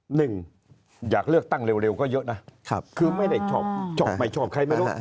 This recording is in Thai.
หนึ่งอยากเลือกตั้งเร็วก็เยอะนะคือไม่ได้ชอบไม่ชอบใครไม่รู้